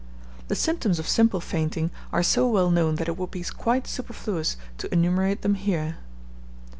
The symptoms of simple fainting are so well known that it would be quite superfluous to enumerate them here.